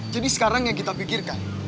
jadi sekarang yang kita pikirkan